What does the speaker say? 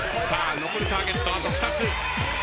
残るターゲットはあと２つ。